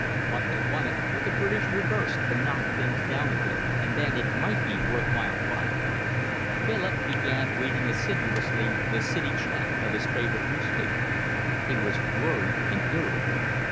What they wanted was a British reverse to knock things down a bit, and then it might be worth while buying. Philip began reading assiduously the 'city chat' of his favourite newspaper. He was worried and irritable.